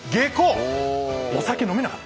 お酒飲めなかった。